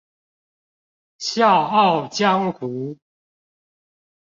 笑傲江湖